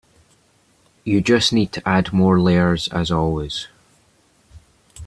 You just need to add more layers as always.